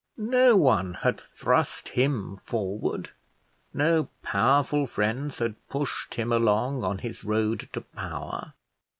No one had thrust him forward; no powerful friends had pushed him along on his road to power.